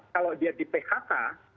kalau dia di phk